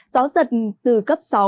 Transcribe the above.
gió giật từ cấp sáu bảy